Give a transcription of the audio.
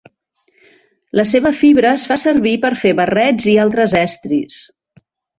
La seva fibra es fa servir per fer barrets i altres estris.